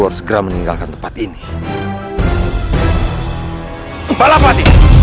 dasar manusia sampah